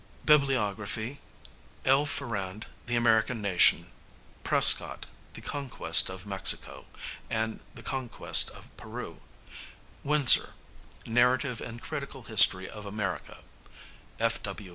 BIBLIOGRAPHY: L. Farrand, The American Nation; Prescott, The Conquest of Mexico and The Conquest of Peru; Winsor, Narrative and Critical History of America; F. W.